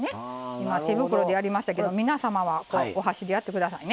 今手袋でやりましたけど皆様はお箸でやって下さいね。